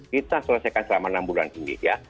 kita selesaikan selama enam bulan ini ya